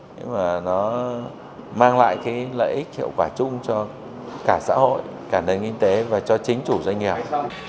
nhưng mà nó mang lại cái lợi ích hiệu quả chung cho cả xã hội cả nền kinh tế và cho chính chủ doanh nghiệp